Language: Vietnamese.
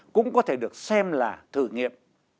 cũng có thể được xem là thử nghiệm